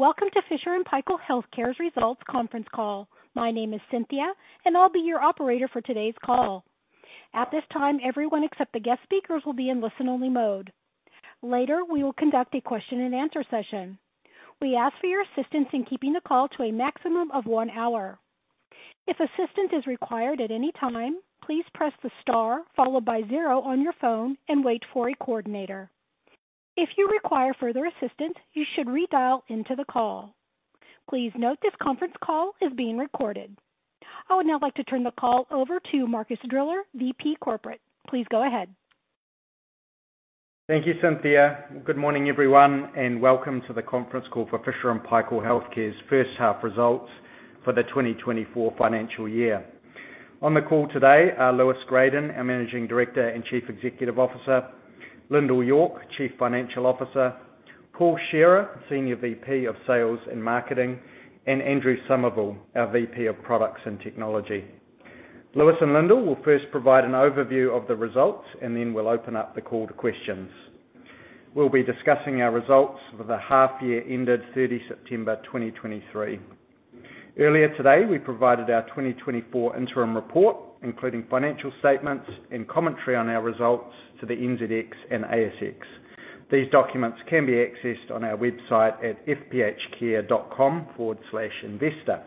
Welcome to Fisher & Paykel Healthcare's results conference call. My name is Cynthia, and I'll be your operator for today's call. At this time, everyone except the guest speakers will be in listen-only mode. Later, we will conduct a question-and-answer session. We ask for your assistance in keeping the call to a maximum of one hour. If assistance is required at any time, please press the star followed by zero on your phone and wait for a coordinator. If you require further assistance, you should redial into the call. Please note this conference call is being recorded. I would now like to turn the call over to Marcus Driller, VP Corporate. Please go ahead. Thank you, Cynthia. Good morning, everyone, and welcome to the conference call for Fisher & Paykel Healthcare's first half results for the 2024 financial year. On the call today are Lewis Gradon, our Managing Director and Chief Executive Officer; Lyndal York, Chief Financial Officer; Paul Shearer, Senior VP of Sales and Marketing; and Andrew Somervell, our VP of Products and Technology. Lewis and Lyndal will first provide an overview of the results, and then we'll open up the call to questions. We'll be discussing our results for the half year ended 30 September 2023. Earlier today, we provided our 2024 interim report, including financial statements and commentary on our results to the NZX and ASX. These documents can be accessed on our website at fphcare.com/investor.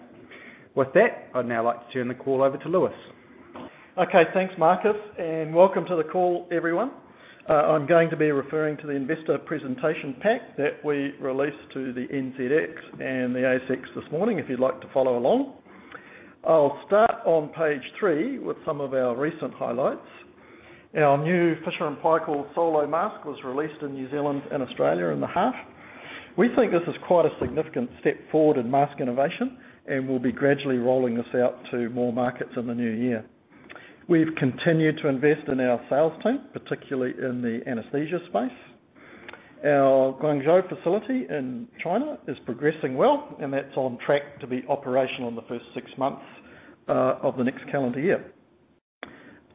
With that, I'd now like to turn the call over to Lewis. Okay, thanks, Marcus, and welcome to the call, everyone. I'm going to be referring to the investor presentation pack that we released to the NZX and the ASX this morning, if you'd like to follow along. I'll start on page three with some of our recent highlights. Our new Fisher & Paykel Solo mask was released in New Zealand and Australia in the half. We think this is quite a significant step forward in mask innovation, and we'll be gradually rolling this out to more markets in the new year. We've continued to invest in our sales team, particularly in the anesthesia space. Our Guangzhou facility in China is progressing well, and that's on track to be operational in the first six months of the next calendar year.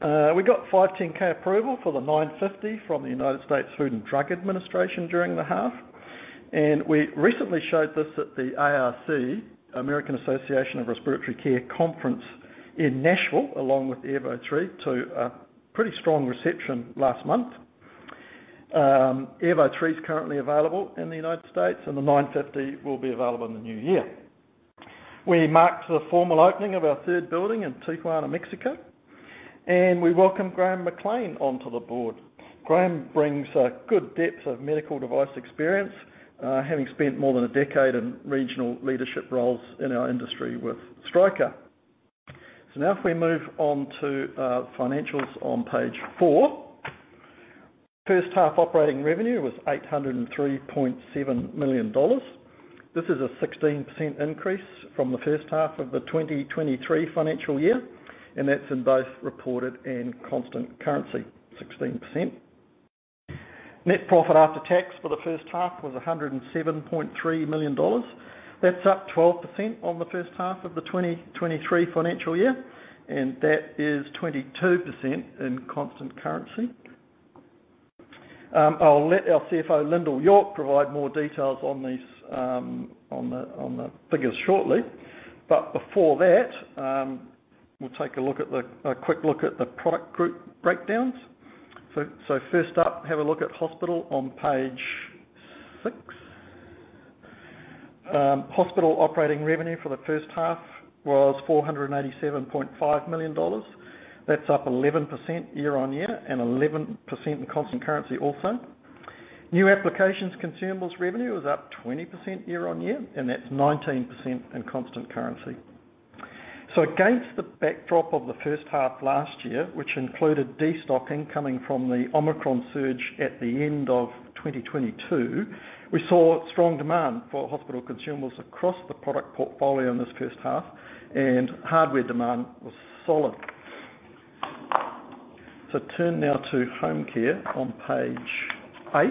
We got 510(k) approval for the 950 from the United States Food and Drug Administration during the half, and we recently showed this at the AARC, American Association for Respiratory Care conference in Nashville, along with Airvo 3, to a pretty strong reception last month. Airvo 3 is currently available in the United States, and the 950 will be available in the new year. We marked the formal opening of our third building in Tijuana, Mexico, and we welcome Graham McLean onto the board. Graham brings a good depth of medical device experience, having spent more than a decade in regional leadership roles in our industry with Stryker. Now if we move on to financials on page four. First half operating revenue was 803.7 million dollars. This is a 16% increase from the first half of the 2023 financial year, and that's in both reported and constant currency, 16%. Net profit after tax for the first half was 107.3 million dollars. That's up 12% on the first half of the 2023 financial year, and that is 22% in constant currency. I'll let our CFO, Lyndal York, provide more details on these, on the figures shortly. But before that, we'll take a look at a quick look at the product group breakdowns. So first up, have a look at hospital on page six. Hospital operating revenue for the first half was 487.5 million dollars. That's up 11% year-on-year and 11% in constant currency also. New applications consumables revenue was up 20% year on year, and that's 19% in constant currency. Against the backdrop of the first half last year, which included destocking coming from the Omicron surge at the end of 2022, we saw strong demand for hospital consumables across the product portfolio in this first half, and hardware demand was solid. Turn now to Home Care on page 8.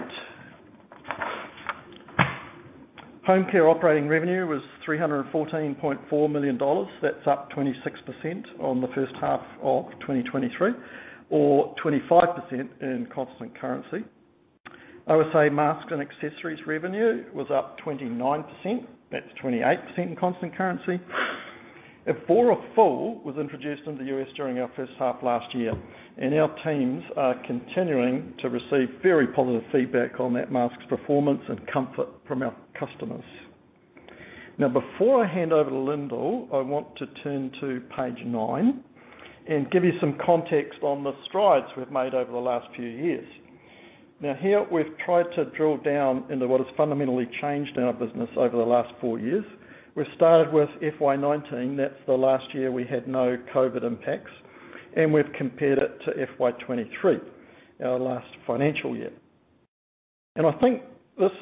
Home care operating revenue was 314.4 million dollars. That's up 26% on the first half of 2023, or 25% in constant currency. OSA mask and accessories revenue was up 29%. That's 28% in constant currency. Evora Full was introduced in the U.S. during our first half last year, and our teams are continuing to receive very positive feedback on that mask's performance and comfort from our customers. Now, before I hand over to Lyndal, I want to turn to page 9 and give you some context on the strides we've made over the last few years. Now, here we've tried to drill down into what has fundamentally changed in our business over the last four years. We've started with FY 2019, that's the last year we had no COVID impacts, and we've compared it to FY 2023, our last financial year. I think this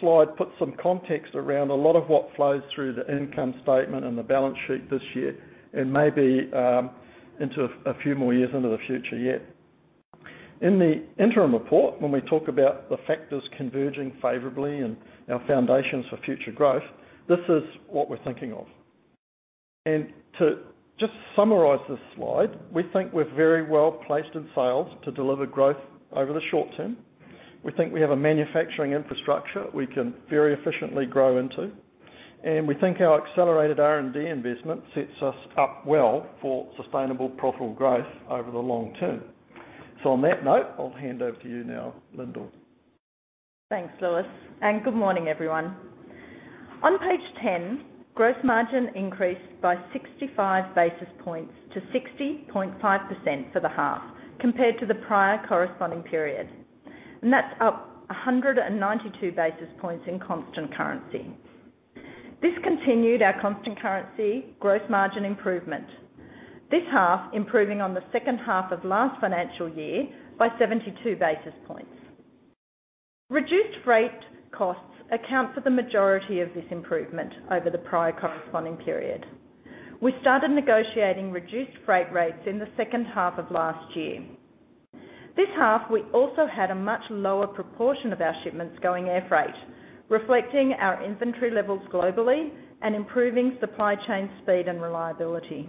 slide puts some context around a lot of what flows through the income statement and the balance sheet this year and maybe into a few more years into the future yet. In the interim report, when we talk about the factors converging favorably and our foundations for future growth, this is what we're thinking of.... To just summarize this slide, we think we're very well placed in sales to deliver growth over the short term. We think we have a manufacturing infrastructure we can very efficiently grow into, and we think our accelerated R&D investment sets us up well for sustainable profitable growth over the long term. On that note, I'll hand over to you now, Lyndal. Thanks, Lewis, and good morning, everyone. On page 10, gross margin increased by 65 basis points to 60.5% for the half, compared to the prior corresponding period, and that's up 192 basis points in constant currency. This continued our constant currency gross margin improvement. This half, improving on the second half of last financial year by 72 basis points. Reduced freight costs account for the majority of this improvement over the prior corresponding period. We started negotiating reduced freight rates in the second half of last year. This half, we also had a much lower proportion of our shipments going air freight, reflecting our inventory levels globally and improving supply chain speed and reliability.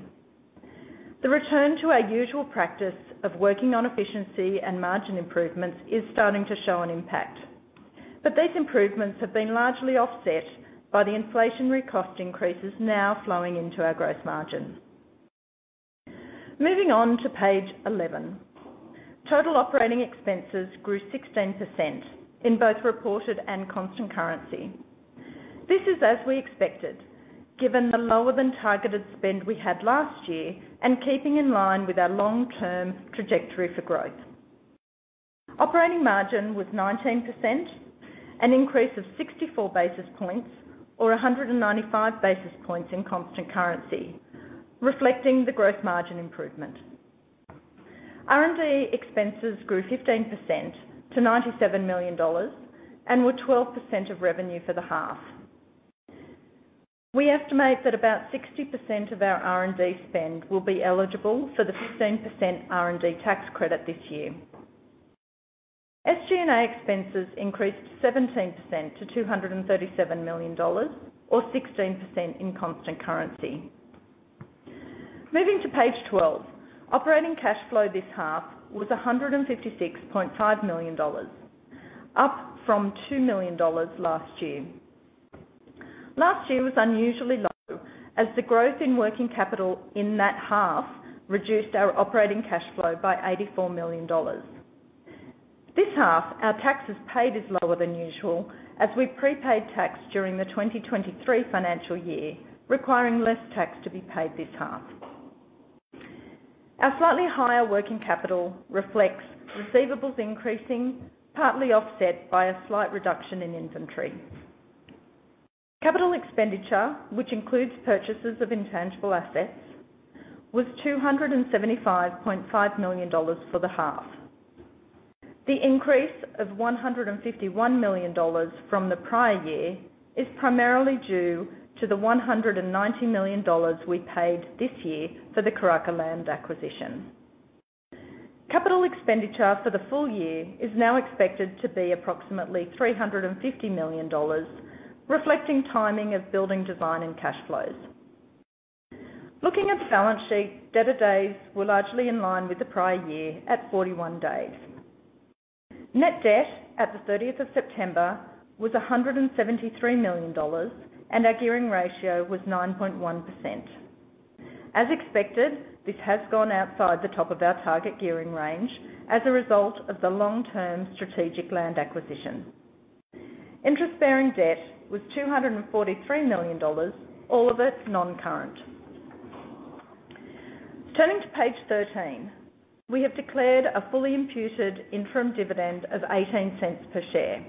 The return to our usual practice of working on efficiency and margin improvements is starting to show an impact, but these improvements have been largely offset by the inflationary cost increases now flowing into our gross margins. Moving on to page 11. Total operating expenses grew 16% in both reported and constant currency. This is as we expected, given the lower than targeted spend we had last year and keeping in line with our long-term trajectory for growth. Operating margin was 19%, an increase of 64 basis points or 195 basis points in constant currency, reflecting the gross margin improvement. R&D expenses grew 15% to 97 million dollars and were 12% of revenue for the half. We estimate that about 60% of our R&D spend will be eligible for the 15% R&D tax credit this year. SG&A expenses increased 17% to 237 million dollars or 16% in constant currency. Moving to page 12, operating cash flow this half was 156.5 million dollars, up from 2 million dollars last year. Last year was unusually low, as the growth in working capital in that half reduced our operating cash flow by 84 million dollars. This half, our taxes paid is lower than usual, as we prepaid tax during the 2023 financial year, requiring less tax to be paid this half. Our slightly higher working capital reflects receivables increasing, partly offset by a slight reduction in inventory. Capital expenditure, which includes purchases of intangible assets, was 275.5 million dollars for the half. The increase of $151 million from the prior year is primarily due to the $190 million we paid this year for the Karaka land acquisition. Capital expenditure for the full year is now expected to be approximately $350 million, reflecting timing of building, design, and cash flows. Looking at the balance sheet, debtor days were largely in line with the prior year at 41 days. Net debt at the 30th of September was $173 million, and our gearing ratio was 9.1%. As expected, this has gone outside the top of our target gearing range as a result of the long-term strategic land acquisition. Interest-bearing debt was $243 million, all of it non-current. Turning to page 13, we have declared a fully imputed interim dividend of 0.18 per share.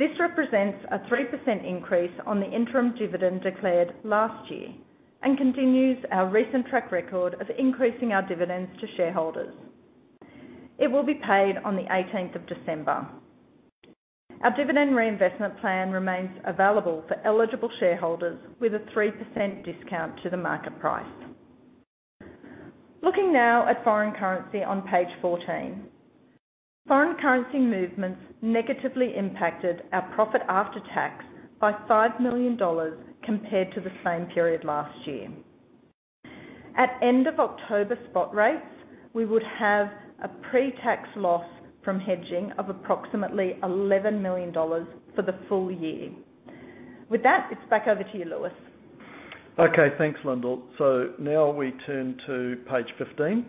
This represents a 3% increase on the interim dividend declared last year and continues our recent track record of increasing our dividends to shareholders. It will be paid on the 18th of December. Our dividend reinvestment plan remains available for eligible shareholders with a 3% discount to the market price. Looking now at foreign currency on page 14. Foreign currency movements negatively impacted our profit after tax by 5 million dollars compared to the same period last year. At end of October spot rates, we would have a pre-tax loss from hedging of approximately 11 million dollars for the full year. With that, it's back over to you, Lewis. Okay, thanks, Lyndal. So now we turn to page 15.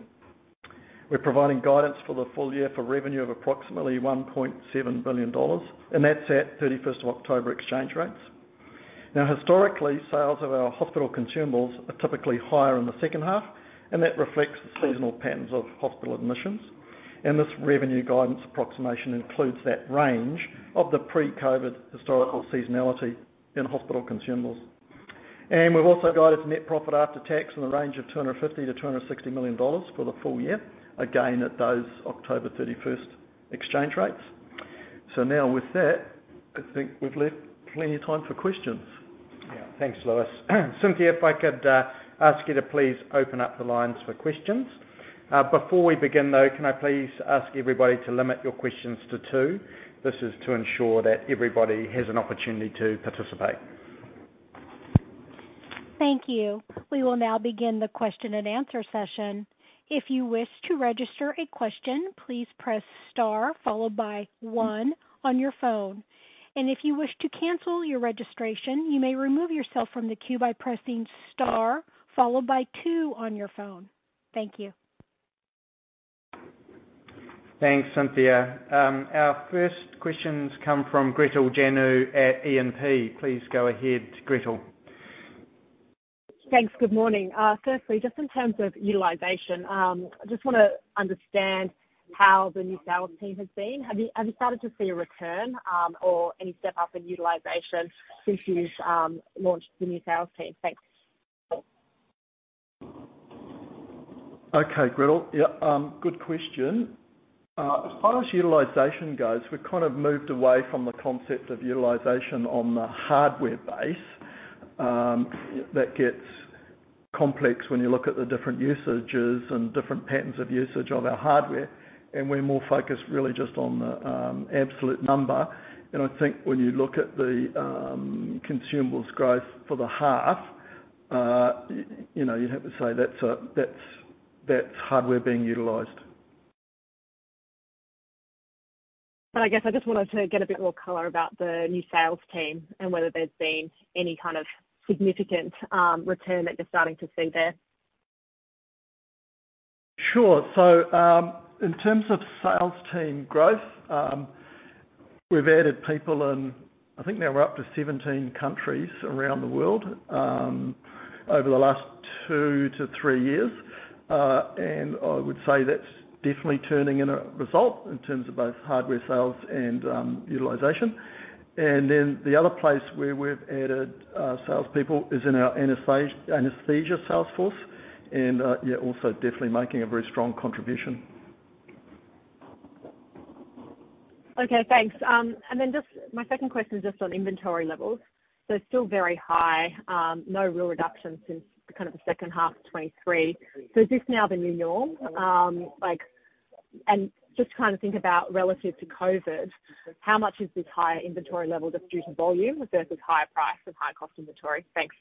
We're providing guidance for the full year for revenue of approximately 1.7 billion dollars, and that's at 31 October exchange rates. Now, historically, sales of our hospital consumables are typically higher in the second half, and that reflects the seasonal patterns of hospital admissions. And this revenue guidance approximation includes that range of the pre-COVID historical seasonality in hospital consumables. And we've also guided net profit after tax in the range of 250 million-260 million dollars for the full year, again, at those October 31 exchange rates. So now with that, I think we've left plenty of time for questions. Yeah. Thanks, Lewis. Cynthia, if I could, ask you to please open up the lines for questions. Before we begin, though, can I please ask everybody to limit your questions to two? This is to ensure that everybody has an opportunity to participate. Thank you. We will now begin the question and answer session. If you wish to register a question, please press star followed by one on your phone. If you wish to cancel your registration, you may remove yourself from the queue by pressing star followed by two on your phone. Thank you. Thanks, Cynthia. Our first questions come from Gretel Janu at E&P. Please go ahead, Gretel. Thanks. Good morning. Firstly, just in terms of utilization, I just wanna understand how the new sales team has been. Have you started to see a return, or any step up in utilization since you've launched the new sales team? Thanks. Okay, Gretel. Yeah, good question. As far as utilization goes, we've kind of moved away from the concept of utilization on the hardware base. That gets complex when you look at the different usages and different patterns of usage of our hardware. And we're more focused really just on the absolute number. And I think when you look at the consumables growth for the half, you know, you'd have to say that's hardware being utilized. I guess I just wanted to get a bit more color about the new sales team and whether there's been any kind of significant return that you're starting to see there. Sure. So, in terms of sales team growth, we've added people, and I think now we're up to 17 countries around the world, over the last 2-3 years. And I would say that's definitely turning in a result in terms of both hardware sales and utilization. And then the other place where we've added salespeople is in our anesthesia sales force, and yeah, also definitely making a very strong contribution. Okay, thanks. And then just my second question is just on inventory levels. So it's still very high, no real reduction since kind of the second half of 2023. So is this now the new norm? Like, and just trying to think about relative to COVID, how much is this higher inventory level just due to volume versus higher price and high cost inventory? Thanks.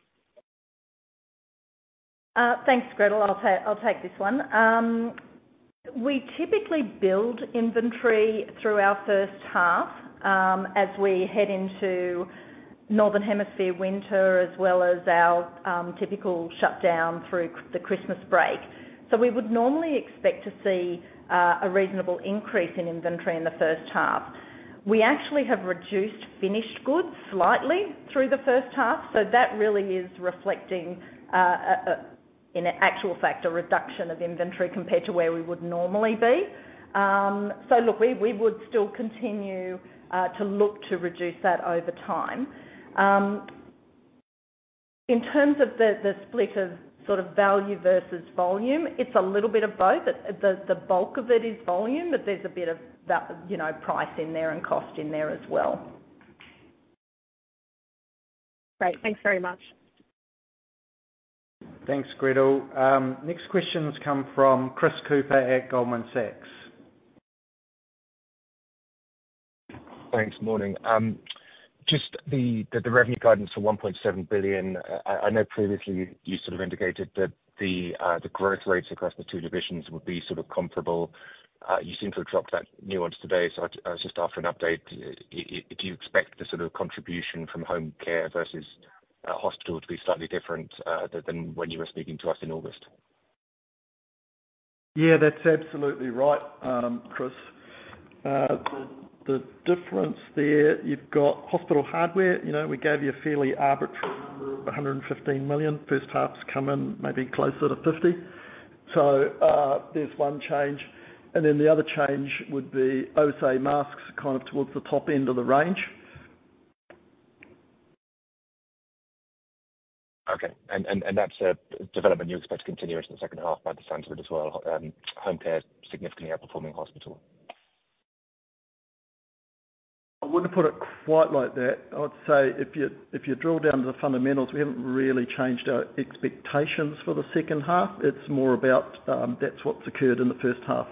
Thanks, Gretel. I'll take, I'll take this one. We typically build inventory through our first half, as we head into Northern Hemisphere winter, as well as our typical shutdown through the Christmas break. So we would normally expect to see a reasonable increase in inventory in the first half. We actually have reduced finished goods slightly through the first half, so that really is reflecting, in actual fact, a reduction of inventory compared to where we would normally be. So look, we, we would still continue to look to reduce that over time. In terms of the, the split of sort of value versus volume, it's a little bit of both. But the, the bulk of it is volume, but there's a bit of that, you know, price in there and cost in there as well. Great. Thanks very much. Thanks, Gretel. Next questions come from Chris Cooper at Goldman Sachs. Thanks. Morning. Just the revenue guidance of 1.7 billion. I know previously you sort of indicated that the growth rates across the two divisions would be sort of comparable. You seem to have dropped that nuance today, so I'd just offer an update. I do you expect the sort of contribution from home care versus hospital to be slightly different than when you were speaking to us in August? Yeah, that's absolutely right, Chris. The difference there, you've got hospital hardware. You know, we gave you a fairly arbitrary number of 115 million. First half's come in maybe closer to 50 million. So, there's one change, and then the other change would be, OSA masks kind of towards the top end of the range. Okay. And that's a development you expect to continue into the second half, by the sound of it as well, home care significantly outperforming hospital? I wouldn't put it quite like that. I would say if you, if you drill down to the fundamentals, we haven't really changed our expectations for the second half. It's more about, that's what's occurred in the first half.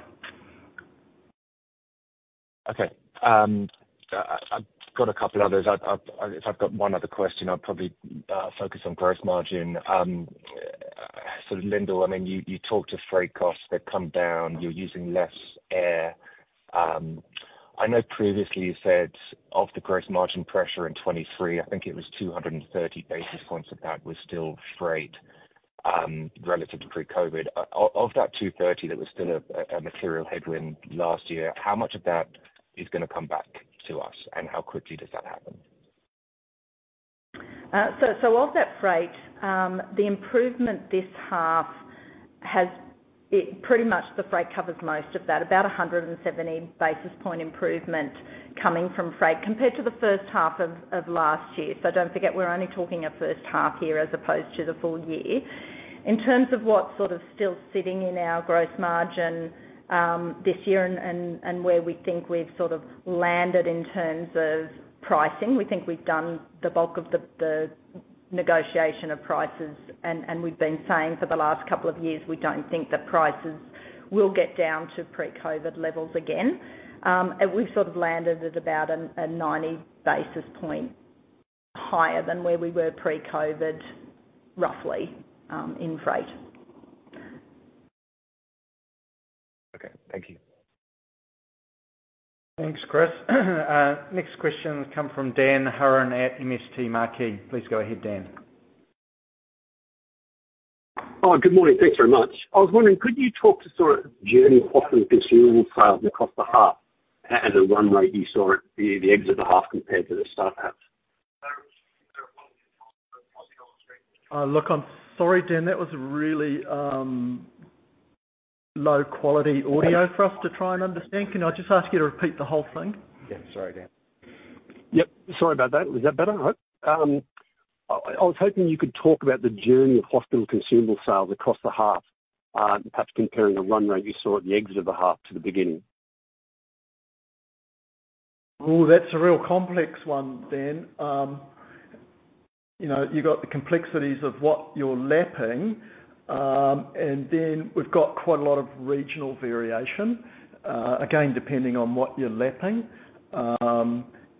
Okay. I've got a couple others. I've, if I've got one other question, I'll probably focus on gross margin. So Lyndal, I mean, you, you talked of freight costs that come down, you're using less air. I know previously you said of the gross margin pressure in 2023, I think it was 230 basis points of that was still freight, relative to pre-COVID. Of that 230, that was still a, a material headwind last year, how much of that is gonna come back to us, and how quickly does that happen? So, of that freight, the improvement this half has, it pretty much the freight covers most of that, about 170 basis point improvement coming from freight compared to the first half of last year. So don't forget, we're only talking a first half year as opposed to the full year. In terms of what sort of still sitting in our gross margin, this year and where we think we've sort of landed in terms of pricing, we think we've done the bulk of the negotiation of prices, and we've been saying for the last couple of years, we don't think that prices will get down to pre-COVID levels again. And we've sort of landed at about a 90 basis point, higher than where we were pre-COVID, roughly, in freight. Okay, thank you. Thanks, Chris. Next question come from Dan Hurren at MST Marquee. Please go ahead, Dan. Hi, good morning. Thanks very much. I was wondering, could you talk to sort of journey hospital consumable sales across the half, and the run rate you saw at the exit of the half compared to the start half? Look, I'm sorry, Dan, that was a really low quality audio for us to try and understand. Can I just ask you to repeat the whole thing? Yeah. Sorry, Dan. Yep, sorry about that. Was that better? I hope. I was hoping you could talk about the journey of hospital consumable sales across the half, perhaps comparing the run rate you saw at the exit of the half to the beginning. Oh, that's a real complex one, Dan. You know, you've got the complexities of what you're lapping, and then we've got quite a lot of regional variation, again, depending on what you're lapping.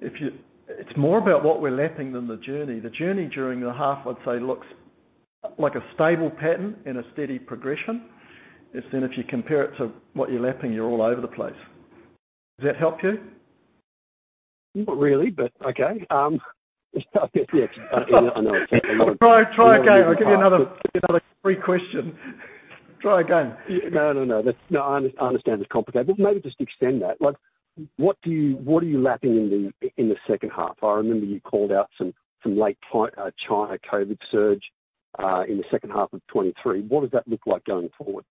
It's more about what we're lapping than the journey. The journey during the half, I'd say, looks like a stable pattern and a steady progression. It's then if you compare it to what you're lapping, you're all over the place. Does that help you? Not really, but okay. Yeah, I know. Try, try again. I'll give you another, another free question. Try again. No, no, no. That's... No, I understand it's complicated. Well, maybe just extend that. Like, what do you, what are you lapping in the, in the second half? I remember you called out some late China COVID surge in the second half of 2023. What does that look like going forward?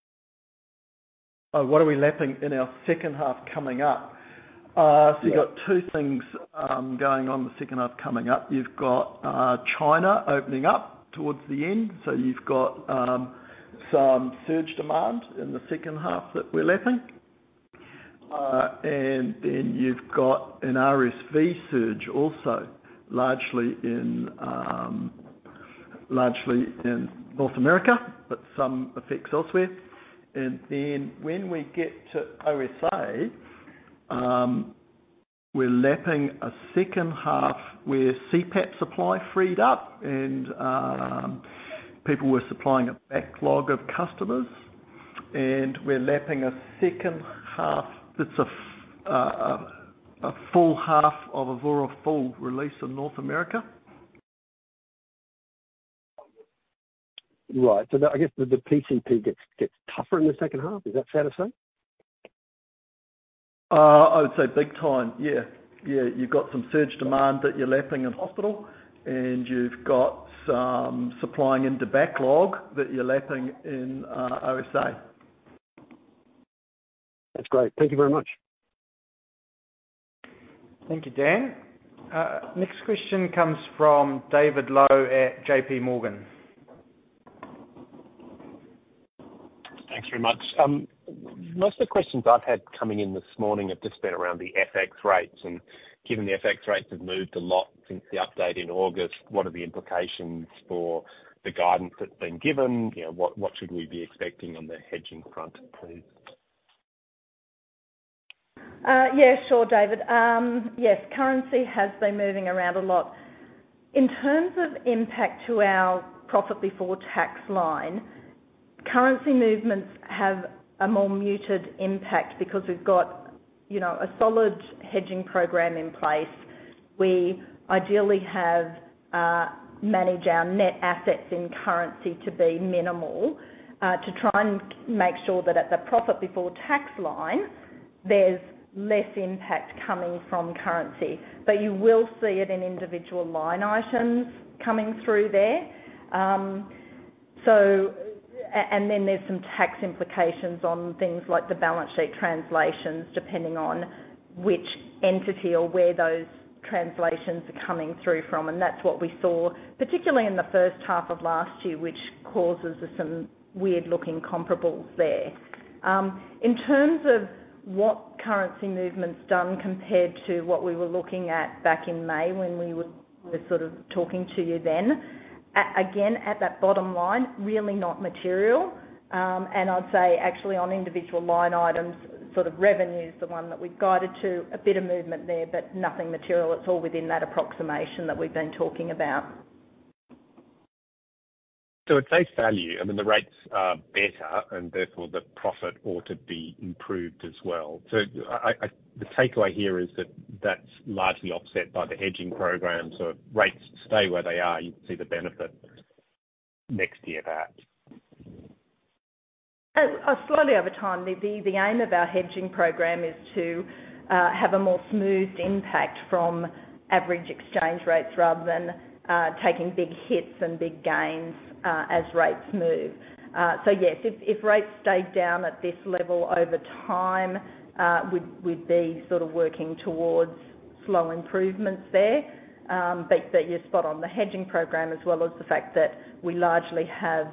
What are we lapping in our second half coming up? Yeah. So you've got two things going on in the second half coming up. You've got China opening up towards the end, so you've got some surge demand in the second half that we're lapping. And then you've got an RSV surge also, largely in largely in North America, but some effects elsewhere. And then when we get to OSA, we're lapping a second half where CPAP supply freed up and people were supplying a backlog of customers, and we're lapping a second half that's a full half of Evora Full release in North America. Right. So I guess the PCP gets tougher in the second half. Is that fair to say? I would say big time, yeah. Yeah, you've got some surge demand that you're lapping in hospital, and you've got some supplying into backlog that you're lapping in, OSA. That's great. Thank you very much. Thank you, Dan. Next question comes from David Low at JP Morgan. Thanks very much. Most of the questions I've had coming in this morning have just been around the FX rates, and given the FX rates have moved a lot since the update in August, what are the implications for the guidance that's been given? You know, what should we be expecting on the hedging front, please? Yeah, sure, David. Yes, currency has been moving around a lot. In terms of impact to our profit before tax line, currency movements have a more muted impact because we've got, you know, a solid hedging program in place. We ideally have managed our net assets in currency to be minimal, to try and make sure that at the profit before tax line, there's less impact coming from currency. But you will see it in individual line items coming through there. So, and then there's some tax implications on things like the balance sheet translations, depending on which entity or where those translations are coming through from, and that's what we saw, particularly in the first half of last year, which causes some weird-looking comparables there. In terms of what currency movement's done compared to what we were looking at back in May when we were sort of talking to you then, again, at that bottom line, really not material. I'd say actually on individual line items, sort of revenue is the one that we've guided to. A bit of movement there, but nothing material. It's all within that approximation that we've been talking about. So at face value, I mean, the rates are better, and therefore, the profit ought to be improved as well. So I... The takeaway here is that, that's largely offset by the hedging program. So if rates stay where they are, you'd see the benefit next year, perhaps? Slowly over time. The aim of our hedging program is to have a more smoothed impact from average exchange rates rather than taking big hits and big gains as rates move. So yes, if rates stayed down at this level over time, we'd be sort of working towards slow improvements there. But you're spot on the hedging program, as well as the fact that we largely have,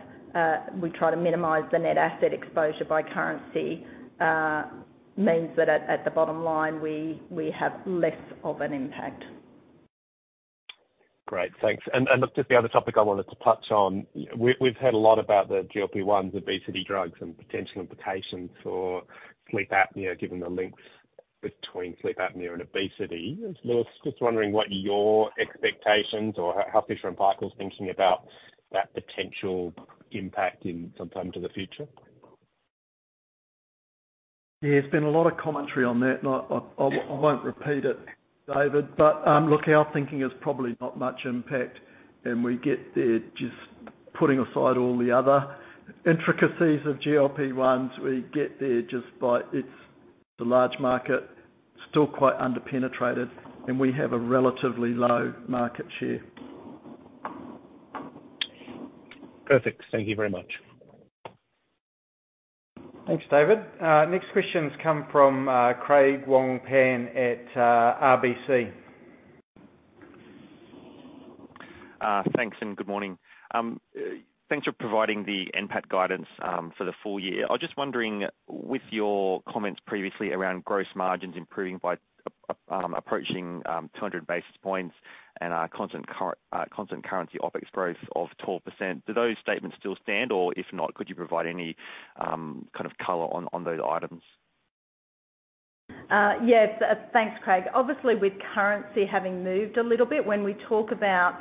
we try to minimize the net asset exposure by currency, means that at the bottom line, we have less of an impact. Great, thanks. And look, just the other topic I wanted to touch on. We've heard a lot about the GLP-1s, obesity drugs, and potential implications for sleep apnea, given the links between sleep apnea and obesity. So I was just wondering what your expectations or how Fisher & Paykel's thinking about that potential impact in sometime to the future? Yeah, there's been a lot of commentary on that, and I won't repeat it, David. But look, our thinking is probably not much impact, and we get there just putting aside all the other intricacies of GLP-1s. We get there just by, it's a large market, still quite under-penetrated, and we have a relatively low market share. Perfect. Thank you very much. Thanks, David. Next questions come from Craig Wong-Pan at RBC. Thanks, and good morning. Thanks for providing the NPAT guidance for the full year. I was just wondering, with your comments previously around gross margins improving by approaching 200 basis points and constant currency OpEx growth of 12%, do those statements still stand? Or if not, could you provide any kind of color on those items? Yes. Thanks, Craig. Obviously, with currency having moved a little bit, when we talk about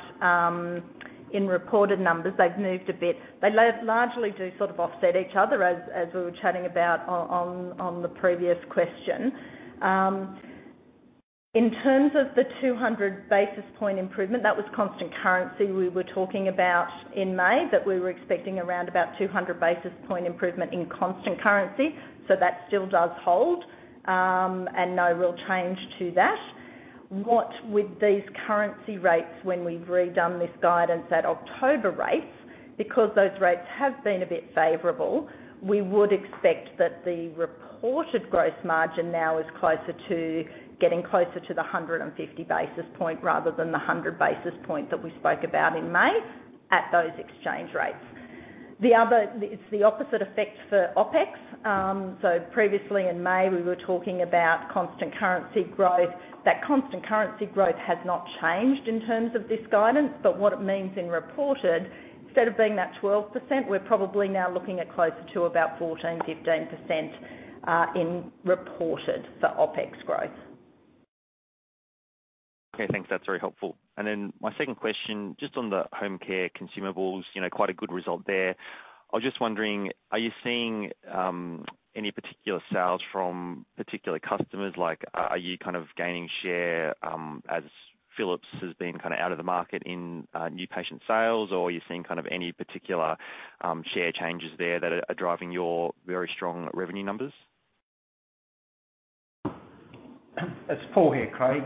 in reported numbers, they've moved a bit. They largely do sort of offset each other, as we were chatting about on the previous question. In terms of the 200 basis point improvement, that was constant currency we were talking about in May, that we were expecting around about 200 basis point improvement in constant currency. So that still does hold, and no real change to that. What with these currency rates, when we've redone this guidance at October rates, because those rates have been a bit favorable, we would expect that the reported gross margin now is closer to getting closer to the 150 basis point rather than the 100 basis point that we spoke about in May at those exchange rates. The other, it's the opposite effect for OpEx. Previously in May, we were talking about constant currency growth. That constant currency growth has not changed in terms of this guidance, but what it means in reported, instead of being that 12%, we're probably now looking at closer to about 14%-15%, in reported for OpEx growth. Okay, thanks. That's very helpful. And then my second question, just on the home care consumables, you know, quite a good result there. I was just wondering, any particular sales from particular customers? Like, are you kind of gaining share, as Philips has been kinda out of the market in, new patient sales, or are you seeing kind of any particular, share changes there that are, are driving your very strong revenue numbers? It's Paul here, Craig.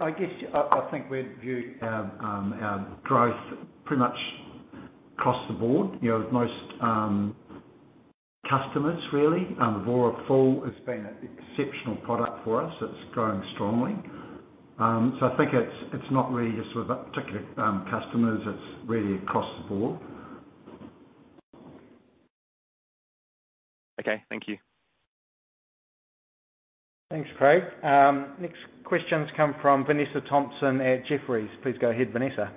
I guess I, I think we've viewed our, our growth pretty much across the board, you know, with most customers, really. Evora Full has been an exceptional product for us. It's growing strongly. So I think it's, it's not really just with that particular customers, it's really across the board. Okay, thank you. Thanks, Craig. Next questions come from Vanessa Thomson at Jefferies. Please go ahead, Vanessa.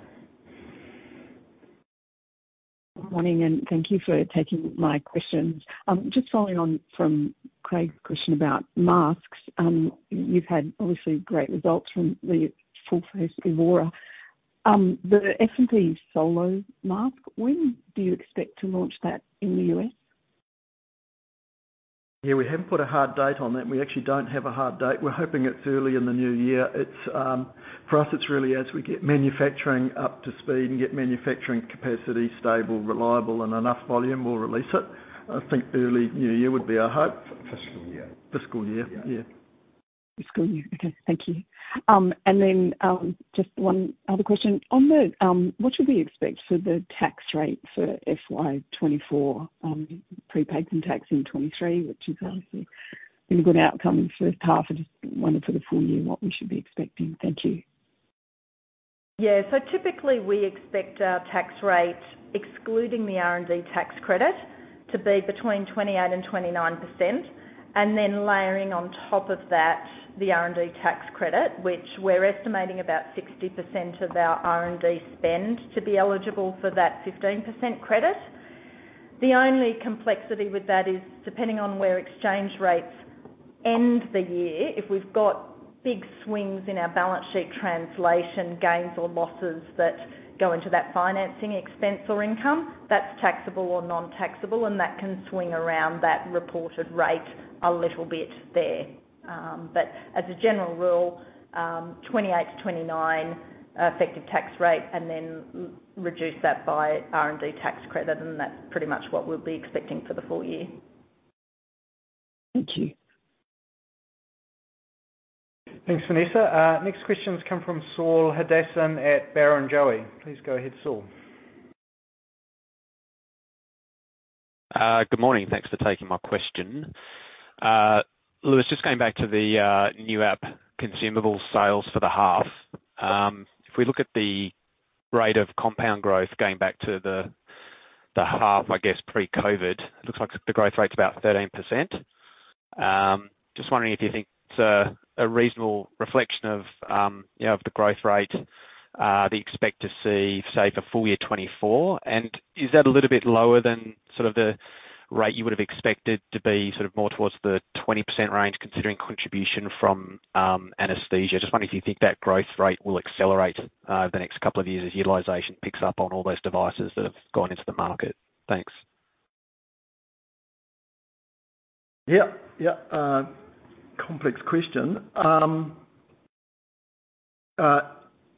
Good morning, and thank you for taking my questions. Just following on from Craig's question about masks, you've had obviously great results from the full face Evora. The F&P Solo mask, when do you expect to launch that in the U.S.? Yeah, we haven't put a hard date on that. We actually don't have a hard date. We're hoping it's early in the new year. It's for us, it's really as we get manufacturing up to speed and get manufacturing capacity stable, reliable, and enough volume, we'll release it. I think early new year would be our hope. Fiscal year. Fiscal year, yeah. Fiscal year. Okay, thank you. And then, just one other question. On the, what should we expect for the tax rate for FY 2024, prepaid some tax in 2023, which is obviously been a good outcome in the first half. I just wondered for the full year what we should be expecting. Thank you. Yeah. So typically, we expect our tax rate, excluding the R&D tax credit, to be between 28%-29%, and then layering on top of that, the R&D tax credit, which we're estimating about 60% of our R&D spend to be eligible for that 15% credit. The only complexity with that is, depending on where exchange rates end the year, if we've got big swings in our balance sheet, translation gains or losses that go into that financing expense or income, that's taxable or non-taxable, and that can swing around that reported rate a little bit there. But as a general rule, 28%-29% effective tax rate, and then reduce that by R&D tax credit, and that's pretty much what we'll be expecting for the full year. Thank you. Thanks, Vanessa. Next questions come from Saul Hadassin at Barrenjoey. Please go ahead, Saul. Good morning. Thanks for taking my question. Lewis, just going back to the new app, consumable sales for the half. If we look at the rate of compound growth going back to the half, I guess, pre-COVID, it looks like the growth rate's about 13%. Just wondering if you think it's a reasonable reflection of, you know, of the growth rate that you expect to see, say, for full year 2024? And is that a little bit lower than sort of the rate you would have expected to be, sort of more towards the 20% range, considering contribution from anesthesia? Just wondering if you think that growth rate will accelerate over the next couple of years as utilization picks up on all those devices that have gone into the market. Thanks. Yeah. Yeah, complex question.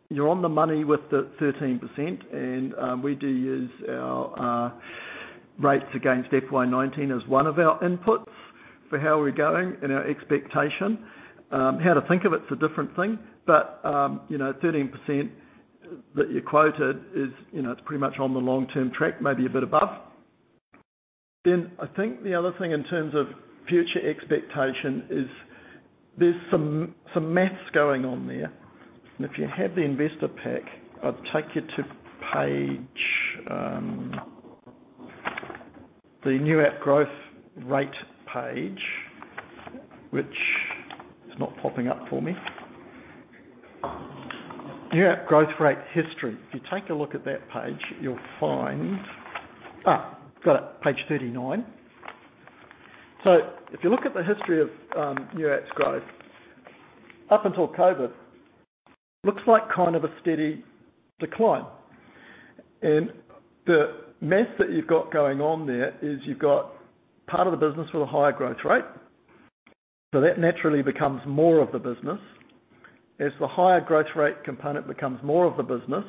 You're on the money with the 13%, and we do use our rates against FY 2019 as one of our inputs for how we're going and our expectation. How to think of it is a different thing, but you know, 13% that you quoted is, you know, it's pretty much on the long-term track, maybe a bit above. Then I think the other thing in terms of future expectation is there's some math going on there, and if you have the investor pack, I'd take you to page, the new app growth rate page, which is not popping up for me. New app growth rate history. If you take a look at that page, you'll find... Ah, got it! Page 39. So if you look at the history of new apps growth, up until COVID, looks like kind of a steady decline. And the math that you've got going on there is you've got part of the business with a higher growth rate, so that naturally becomes more of the business. As the higher growth rate component becomes more of the business,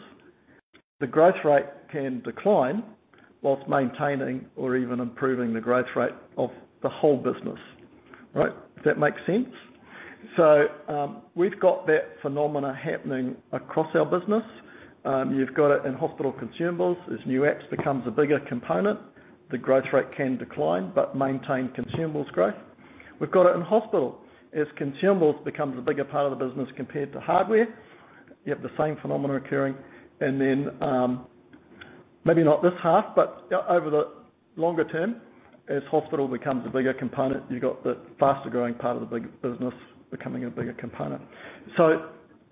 the growth rate can decline whilst maintaining or even improving the growth rate of the whole business, right? Does that make sense? So we've got that phenomena happening across our business. You've got it in hospital consumables. As new apps becomes a bigger component, the growth rate can decline but maintain consumables growth. We've got it in hospital. As consumables becomes a bigger part of the business compared to hardware, you have the same phenomena occurring. Then, maybe not this half, but over the longer term, as hospital becomes a bigger component, you've got the faster growing part of the big business becoming a bigger component.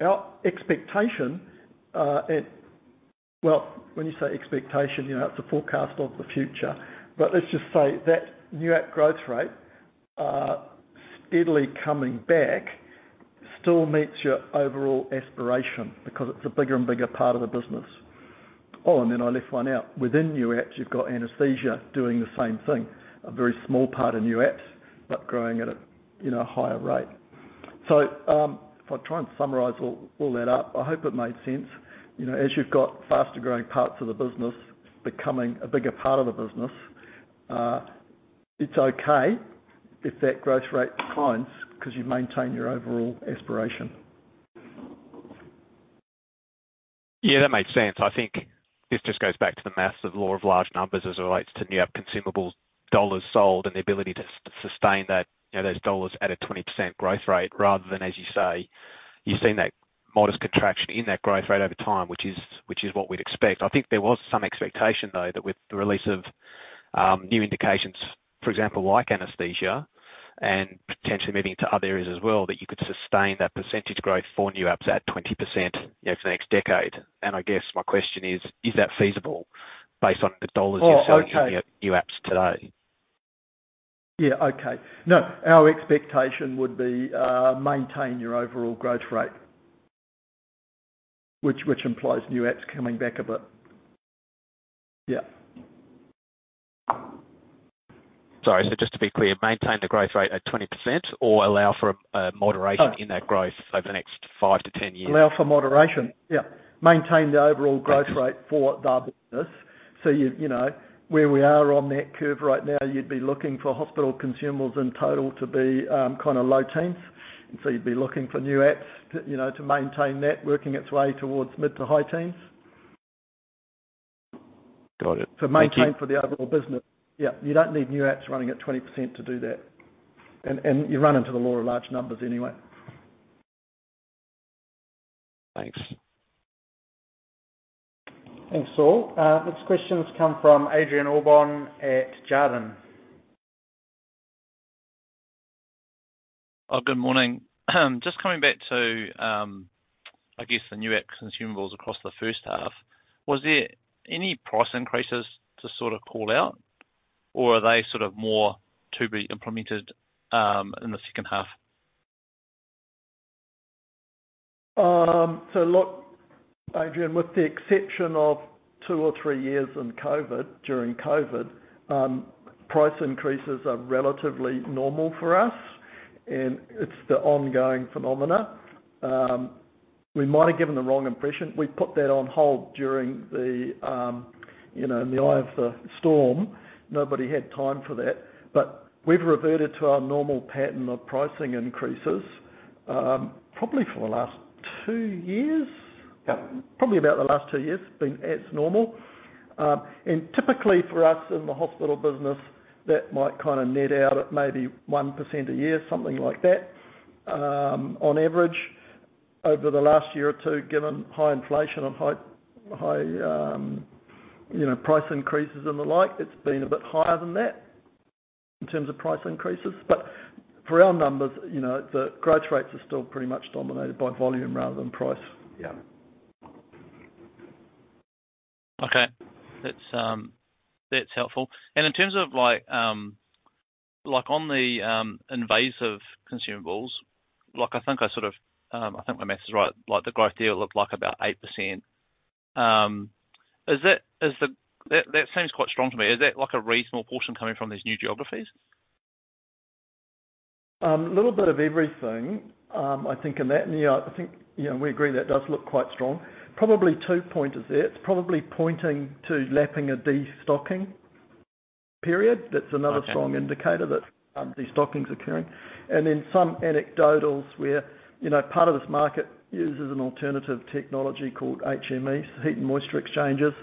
Our expectation, well, when you say expectation, you know, it's a forecast of the future. But let's just say that new app growth rate steadily coming back still meets your overall aspiration because it's a bigger and bigger part of the business. Oh, and then I left one out. Within new apps, you've got anesthesia doing the same thing, a very small part of new apps, but growing at a, you know, higher rate. So, if I try and summarize all that up, I hope it made sense. You know, as you've got faster growing parts of the business becoming a bigger part of the business, it's okay if that growth rate declines because you maintain your overall aspiration. Yeah, that makes sense. I think this just goes back to the math of the law of large numbers as it relates to new app consumable dollars sold and the ability to sustain that, you know, those dollars at a 20% growth rate, rather than, as you say, you've seen that modest contraction in that growth rate over time, which is, which is what we'd expect. I think there was some expectation, though, that with the release of new indications, for example, like anesthesia and potentially moving into other areas as well, that you could sustain that percentage growth for new apps at 20%, you know, for the next decade. And I guess my question is: Is that feasible based on the dollars- Oh, okay. You're selling new apps today? Yeah, okay. No, our expectation would be maintain your overall growth rate, which implies new apps coming back a bit. Yeah. Sorry, so just to be clear, maintain the growth rate at 20% or allow for a moderation- Oh. in that growth over the next 5-10 years? Allow for moderation. Yeah. Maintain the overall- Got it growth rate for the business. So you, you know where we are on that curve right now, you'd be looking for hospital consumables in total to be, kind of low teens, and so you'd be looking for new apps, you know, to maintain that, working its way towards mid to high teens. Got it. Thank you. To maintain for the overall business. Yeah, you don't need new apps running at 20% to do that. And, and you run into the law of large numbers anyway. Thanks. Thanks, Saul. Next questions come from Adrian Allbon at Jarden. Oh, good morning. Just coming back to, I guess, the New App consumables across the first half, was there any price increases to sort of call out, or are they sort of more to be implemented, in the second half? So look, Adrian, with the exception of two or three years in COVID, during COVID, price increases are relatively normal for us, and it's the ongoing phenomenon. We might have given the wrong impression. We put that on hold during the, you know, in the eye of the storm. Nobody had time for that, but we've reverted to our normal pattern of pricing increases, probably for the last two years. Yeah, probably about the last two years, been as normal. And typically for us in the hospital business, that might kind of net out at maybe 1% a year, something like that. On average, over the last year or two, given high inflation and high, high, you know, price increases and the like, it's been a bit higher than that in terms of price increases. But for our numbers, you know, the growth rates are still pretty much dominated by volume rather than price. Yeah. Okay. That's, that's helpful. And in terms of like, like, on the, invasive consumables, like, I think I sort of, I think my math is right, like, the growth there looked like about 8%. Is that, that, that seems quite strong to me. Is that, like, a reasonable portion coming from these new geographies? A little bit of everything. I think in that, yeah, I think, you know, we agree that does look quite strong. Probably 2 pointers there. It's probably pointing to lapping a destocking period. Okay. That's another strong indicator that, destocking is occurring. And then some anecdotals where, you know, part of this market uses an alternative technology called HMEs, heat and moisture exchangers.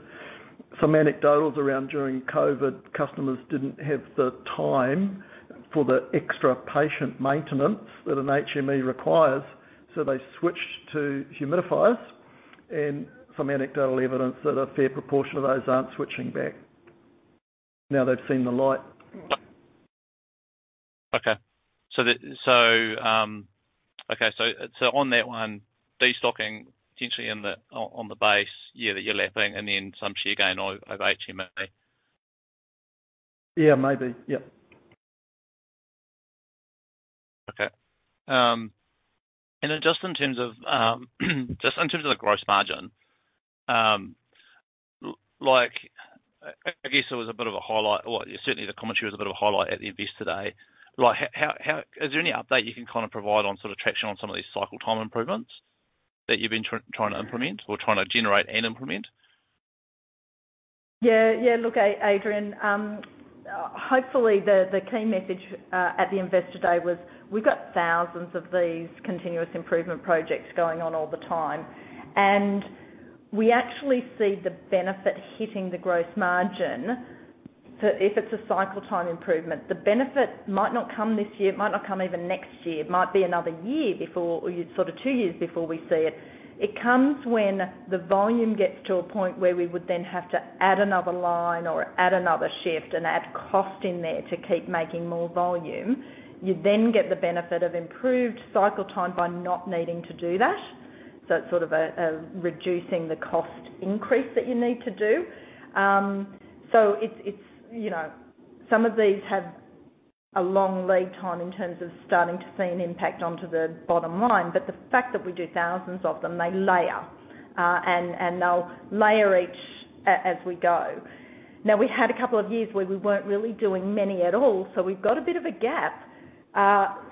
Some anecdotals around during COVID, customers didn't have the time for the extra patient maintenance that an HME requires, so they switched to humidifiers, and some anecdotal evidence that a fair proportion of those aren't switching back now they've seen the light. Okay. So on that one, destocking potentially on the base, yeah, that you're lapping, and then some share gain over HME. Yeah, maybe. Yep. Okay. And then just in terms of just in terms of the gross margin, like, I guess it was a bit of a highlight. Well, certainly the commentary was a bit of a highlight at the investor day. Like, how... Is there any update you can kind of provide on sort of traction on some of these cycle time improvements that you've been trying to implement or trying to generate and implement? Yeah. Yeah, look, Adrian, hopefully the key message at the investor day was we've got thousands of these continuous improvement projects going on all the time, and we actually see the benefit hitting the gross margin. So if it's a cycle time improvement, the benefit might not come this year, it might not come even next year, it might be another year before, or sort of two years before we see it. It comes when the volume gets to a point where we would then have to add another line or add another shift and add cost in there to keep making more volume. You then get the benefit of improved cycle time by not needing to do that. So it's sort of a reducing the cost increase that you need to do. So it's, you know, some of these have a long lead time in terms of starting to see an impact onto the bottom line, but the fact that we do thousands of them, they layer, and they'll layer each as we go. Now, we had a couple of years where we weren't really doing many at all, so we've got a bit of a gap.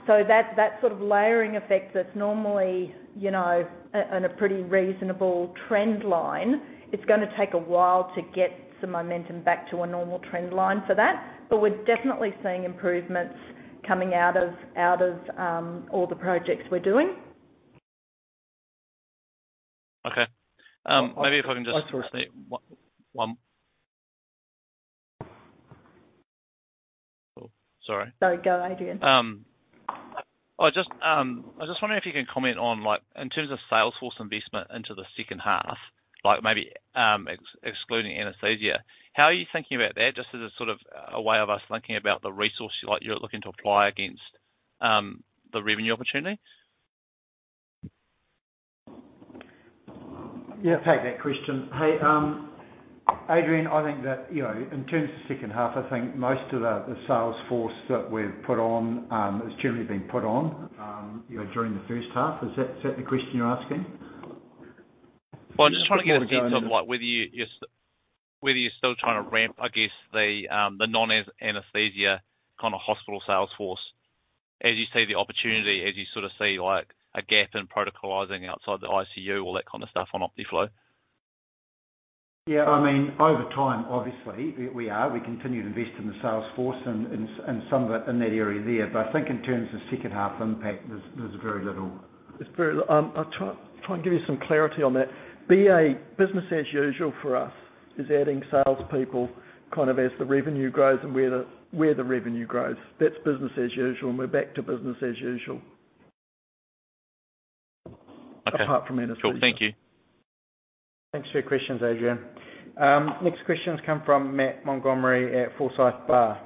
So that sort of layering effect that's normally, you know, on a pretty reasonable trend line, it's gonna take a while to get some momentum back to a normal trend line for that. But we're definitely seeing improvements coming out of all the projects we're doing. Okay. Maybe if I can just- I, I- 1, 1... Oh, sorry. No, go, Adrian. I just, I was just wondering if you can comment on, like, in terms of sales force investment into the second half, like, maybe, excluding anesthesia, how are you thinking about that? Just as a sort of a way of us thinking about the resource, like, you're looking to apply against, the revenue opportunities. Yeah, I'll take that question. Hey, Adrian, I think that, you know, in terms of second half, I think most of the, the sales force that we've put on, has generally been put on, you know, during the first half. Is that, is that the question you're asking? Well, I'm just trying to get a detail on, like, whether you're still trying to ramp, I guess, the non-anesthesia kind of hospital sales force, as you see the opportunity, as you sort of see like a gap in protocolizing outside the ICU, all that kind of stuff on Optiflow. Yeah, I mean, over time, obviously, we are. We continue to invest in the sales force and some of it in that area there. But I think in terms of second half impact, there's very little. It's very... I'll try, try and give you some clarity on that. BA, business as usual for us, is adding salespeople kind of as the revenue grows and where the revenue grows. That's business as usual, and we're back to business as usual. Okay. Apart from anesthesia. Cool. Thank you. Thanks for your questions, Adrian. Next questions come from Matt Montgomerie at Forsyth Barr.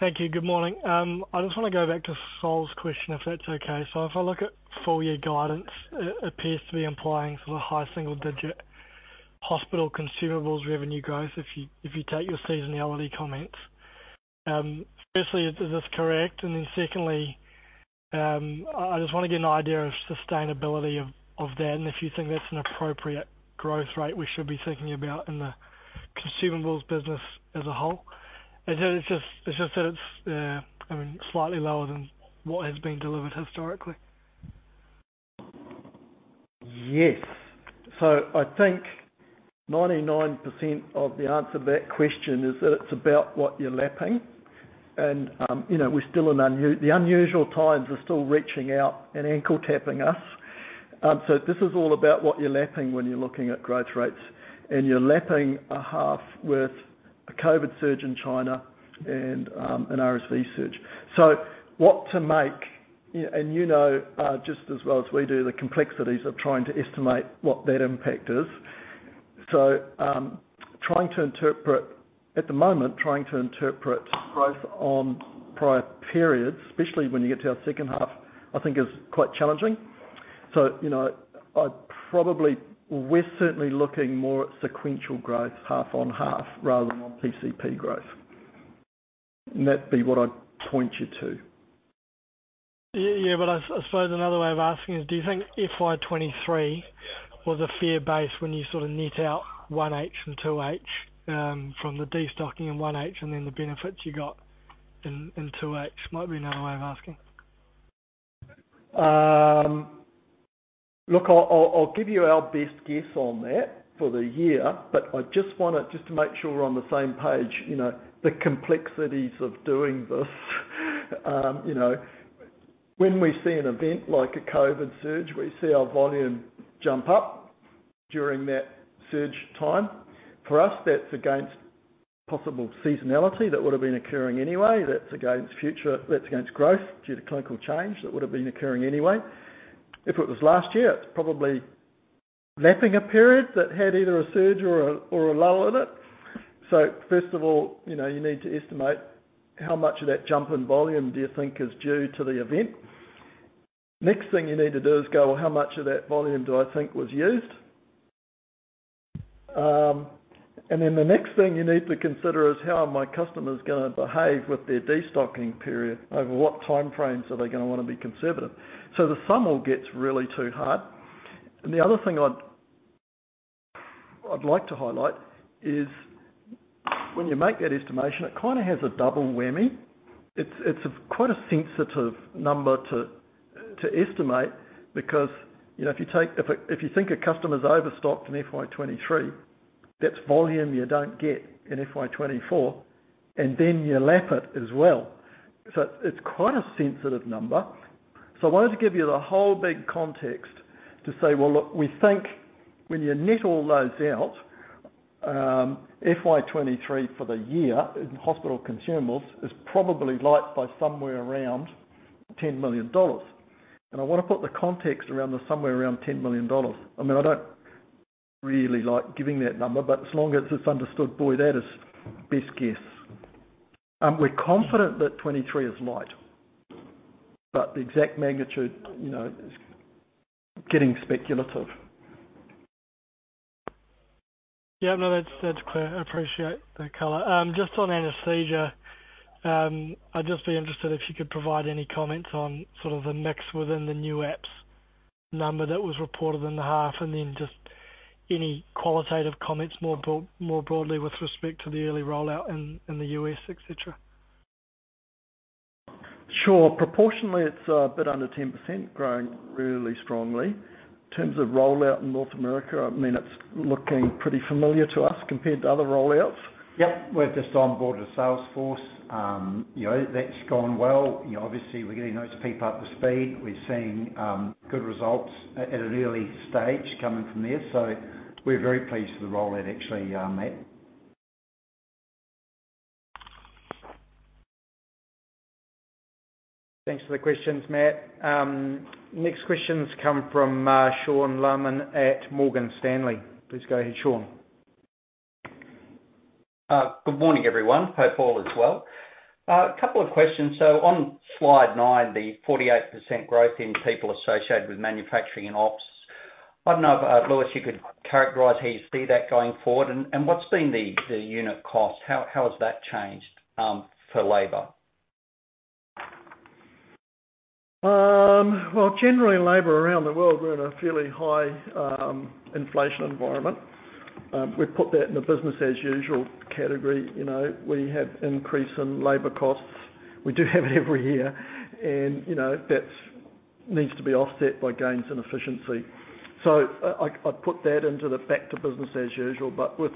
Thank you. Good morning. I just want to go back to Saul's question, if that's okay. So if I look at full year guidance, it appears to be implying sort of high single digit hospital consumables revenue growth, if you take your seasonality comments. Firstly, is this correct? And then secondly, I just want to get an idea of sustainability of that, and if you think that's an appropriate growth rate we should be thinking about in the consumables business as a whole. It's just that it's, I mean, slightly lower than what has been delivered historically. Yes. So I think 99% of the answer to that question is that it's about what you're lapping. And, you know, we're still in the unusual times are still reaching out and ankle-tapping us. So this is all about what you're lapping when you're looking at growth rates, and you're lapping a half with a COVID surge in China and an RSV surge. So what to make, and you know, just as well as we do, the complexities of trying to estimate what that impact is. So, trying to interpret. At the moment, trying to interpret growth on prior periods, especially when you get to our second half, I think is quite challenging. So, you know, I probably... We're certainly looking more at sequential growth, half on half, rather than on PCP growth. And that'd be what I'd point you to. Yeah, yeah. But I suppose another way of asking is, do you think FY 2023 was a fair base when you sort of net out 1H and 2H from the destocking in 1H, and then the benefits you got in 2H? Might be another way of asking. Look, I'll give you our best guess on that for the year, but I just wanna, just to make sure we're on the same page, you know, the complexities of doing this. You know, when we see an event like a COVID surge, we see our volume jump up during that surge time. For us, that's against possible seasonality that would have been occurring anyway. That's against future, that's against growth due to clinical change that would have been occurring anyway. If it was last year, it's probably lapping a period that had either a surge or a lull in it. So first of all, you know, you need to estimate how much of that jump in volume do you think is due to the event. Next thing you need to do is go, "Well, how much of that volume do I think was used?" And then the next thing you need to consider is, how are my customers gonna behave with their destocking period? Over what time frames are they gonna wanna be conservative? So the sum all gets really too hard. And the other thing I'd like to highlight is, when you make that estimation, it kind of has a double whammy. It's quite a sensitive number to estimate because, you know, if you think a customer's overstocked in FY 2023, that's volume you don't get in FY 2024, and then you lap it as well. So it's quite a sensitive number. So I wanted to give you the whole big context to say, "Well, look, we think when you net all those out, FY 2023 for the year in hospital consumables is probably light by somewhere around 10 million dollars." And I want to put the context around the somewhere around 10 million dollars. I mean, I don't really like giving that number, but as long as it's understood, boy, that is best guess. We're confident that 23 is light, but the exact magnitude, you know, is getting speculative. Yeah, no, that's, that's clear. I appreciate that color. Just on anesthesia, I'd just be interested if you could provide any comments on sort of the mix within the new apps number that was reported in the half, and then just any qualitative comments, more broadly with respect to the early rollout in the U.S., et cetera. Sure. Proportionately, it's a bit under 10%, growing really strongly. In terms of rollout in North America, I mean, it's looking pretty familiar to us compared to other rollouts. Yep. We've just onboarded Salesforce. You know, that's gone well. You know, obviously, we're getting those people up to speed. We're seeing good results at an early stage coming from there. So we're very pleased with the rollout, actually, Matt. Thanks for the questions, Matt. Next questions come from Sean Laaman at Morgan Stanley. Please go ahead, Sean. Good morning, everyone. Hope all is well. A couple of questions. On slide 9, the 48% growth in people associated with manufacturing and ops, I don't know if, Lewis, you could characterize how you see that going forward, and, and what's been the, the unit cost? How, how has that changed, for labor? Well, generally labor around the world, we're in a fairly high inflation environment. We've put that in the business as usual category. You know, we have increase in labor costs. We do have it every year, and, you know, that's needs to be offset by gains and efficiency. So I put that into the back to business as usual, but with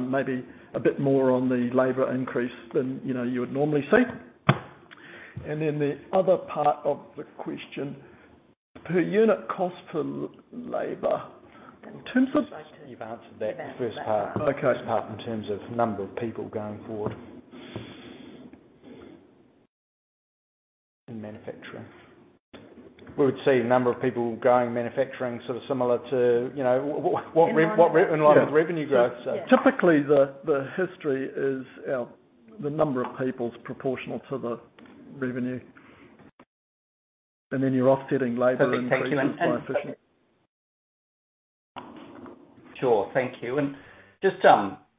maybe a bit more on the labor increase than, you know, you would normally see. And then the other part of the question, per unit cost for labor, in terms of- You've answered that, the first part. Okay. First part in terms of number of people going forward. In manufacturing. We would see a number of people going manufacturing, sort of similar to, you know, In line- We're in line with revenue growth. Typically, the history is our, the number of people's proportional to the revenue. And then you're offsetting labor increase by efficient- Sure. Thank you. And just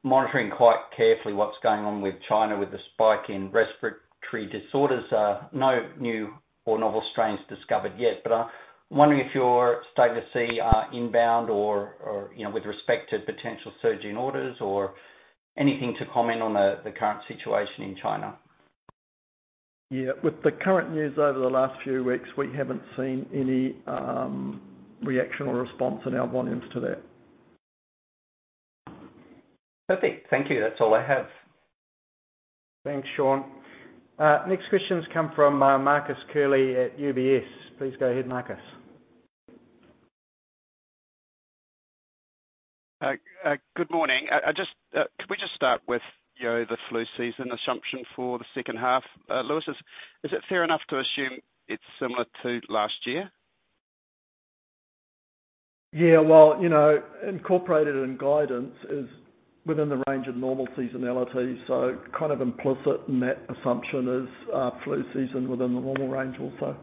monitoring quite carefully what's going on with China, with the spike in respiratory disorders. No new or novel strains discovered yet, but I'm wondering if you're starting to see inbound or you know, with respect to potential surging orders or anything to comment on the current situation in China. Yeah. With the current news over the last few weeks, we haven't seen any reaction or response in our volumes to that.... Perfect. Thank you. That's all I have. Thanks, Sean. Next questions come from Marcus Curley at UBS. Please go ahead, Marcus. Good morning. Could we just start with, you know, the flu season assumption for the second half? Lewis, is it fair enough to assume it's similar to last year? Yeah, well, you know, incorporated in guidance is within the range of normal seasonality, so kind of implicit in that assumption is flu season within the normal range also.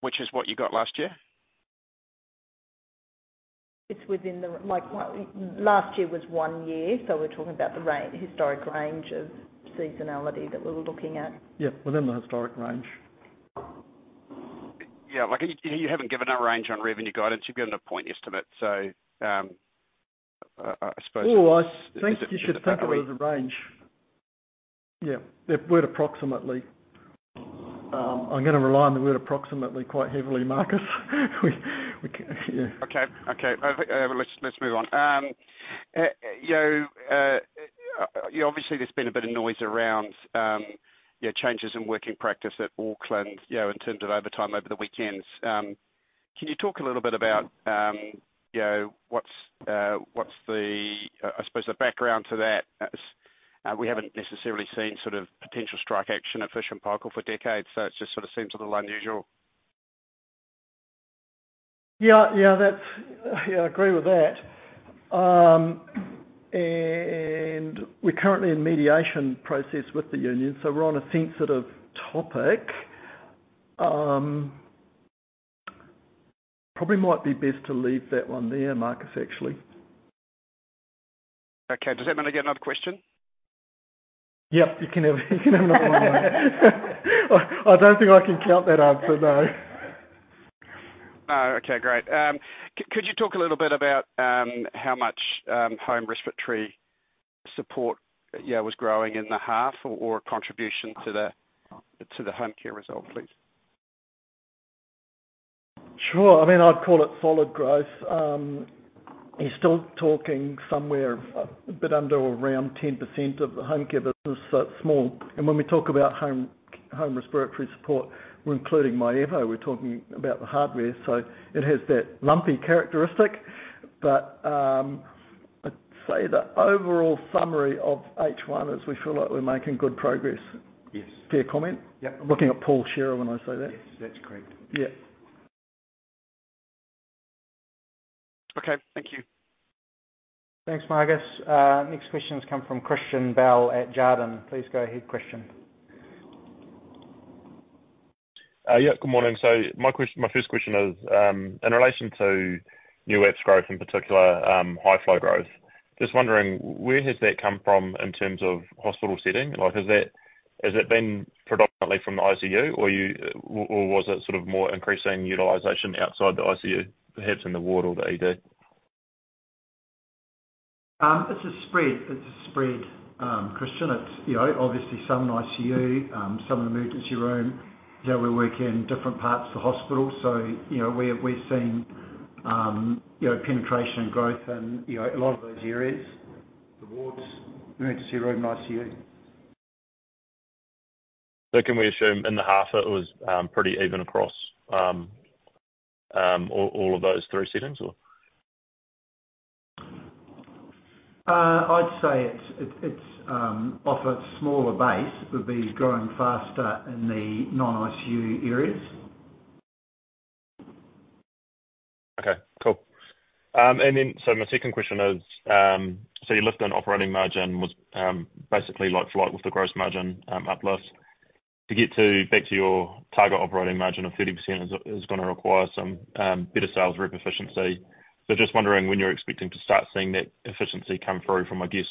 Which is what you got last year? It's within the, like, last year was one year, so we're talking about the historic range of seasonality that we were looking at. Yeah, within the historic range. Yeah, like, and you haven't given a range on revenue guidance. You've given a point estimate, so, I suppose- Oh, I think you should think of it as a range. Yeah, the word approximately. I'm gonna rely on the word approximately quite heavily, Marcus. We can, yeah. Okay. Okay, let's, let's move on. You know, obviously there's been a bit of noise around, yeah, changes in working practice at Auckland, you know, in terms of overtime over the weekends. Can you talk a little bit about, you know, what's, what's the, I suppose, the background to that? As, we haven't necessarily seen sort of potential strike action at Fisher & Paykel for decades, so it just sort of seems a little unusual. Yeah. Yeah, that's... Yeah, I agree with that. And we're currently in mediation process with the union, so we're on a sensitive topic. Probably might be best to leave that one there, Marcus, actually. Okay. Does that mean I get another question? Yep, you can have, you can have another one. I, I don't think I can count that answer, though. Oh, okay. Great. Could you talk a little bit about how much Home Respiratory Support, yeah, was growing in the half or a contribution to the Home Care result, please? Sure. I mean, I'd call it solid growth. You're still talking somewhere, a bit under or around 10% of the Home Care business, so it's small. And when we talk about home, Home Respiratory Support, we're including myAIRVO. We're talking about the hardware, so it has that lumpy characteristic. But, I'd say the overall summary of H1 is, we feel like we're making good progress. Yes. Fair comment? Yep. I'm looking at Paul Shearer when I say that. Yes, that's correct. Yeah. Okay. Thank you. Thanks, Marcus. Next questions come from Christian Bell at Jarden. Please go ahead, Christian. Yeah, good morning. So my first question is, in relation to new apps growth in particular, high flow growth. Just wondering, where has that come from in terms of hospital setting? Like, has it been predominantly from the ICU, or was it sort of more increasing utilization outside the ICU, perhaps in the ward or the ED? It's a spread. It's a spread, Christian. It's, you know, obviously some ICU, some in the emergency room. You know, we work in different parts of the hospital, so, you know, we, we're seeing, you know, penetration and growth in, you know, a lot of those areas. The wards, emergency room, ICU. So can we assume in the half, it was pretty even across all of those three settings, or? I'd say it's off a smaller base, would be growing faster in the non-ICU areas. Okay, cool. And then, so my second question is, so you looked at operating margin was, basically like for, like with the gross margin, uplift. To get back to your target operating margin of 30% is gonna require some better sales rep efficiency. So just wondering when you're expecting to start seeing that efficiency come through from, I guess,